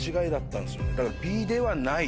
だからＢではない。